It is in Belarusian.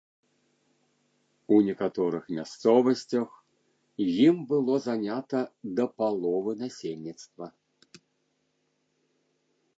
У некаторых мясцовасцях ім было занята да паловы насельніцтва.